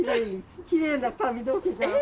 きれいな髪の毛じゃん。